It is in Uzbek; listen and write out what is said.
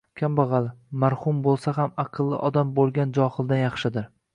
Kambag’al, mahrum bo’lsa ham aqlli odam boy bo’lgan johildan yaxshidir.